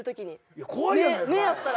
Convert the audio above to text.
いや怖いやないかい。